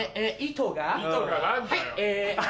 糸が。